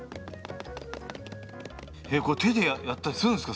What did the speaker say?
手でやったりするんですか？